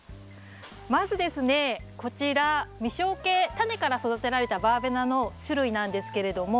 タネから育てられたバーベナの種類なんですけれども。